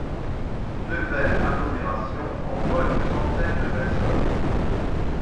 Nevers Agglomération emploie une centaine de personnes.